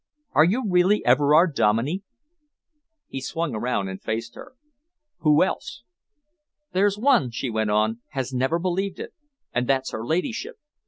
Are you really Everard Dominey?" He swung around and faced her. "Who else?" "There's one," she went on, "has never believed it, and that's her ladyship.